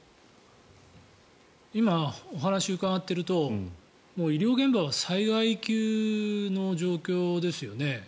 今、お話を伺っていると医療現場は災害級の状況ですよね。